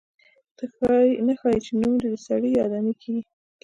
نه ښايي چې نوم دې سړی یا آدمي کېږدي.